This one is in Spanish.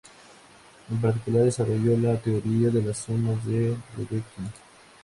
En particular, desarrolló la teoría de las sumas de Dedekind.